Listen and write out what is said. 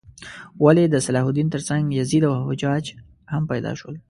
ولې د صلاح الدین تر څنګ یزید او حجاج هم پیدا شول؟